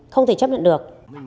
không thể chấp nhận được